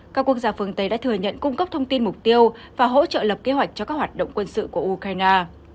các quốc gia phương tây đã thừa nhận cung cấp thông tin mục tiêu và hỗ trợ lập kế hoạch cho các hoạt động quân sự của ukraine